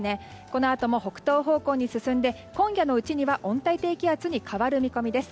このあとも北東方向に進んで今夜のうちには温帯低気圧に変わる見込みです。